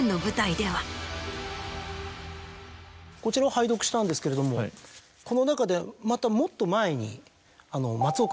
こちらを拝読したんですけれどもこの中でまたもっと前に。